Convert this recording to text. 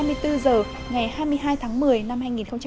ngày hai mươi hai tháng một mươi năm hai nghìn một mươi sáu